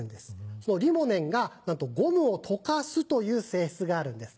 そのリモネンがなんとゴムを溶かすという性質があるんです。